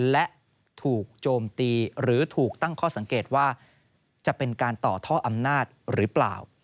และถูกโจมตีหรือถูกตั้งข้อสังเกตว่าจะเป็นการต่อท่ออำนาจหรือเปล่า